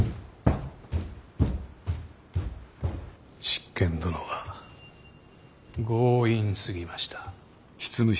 執権殿は強引すぎました。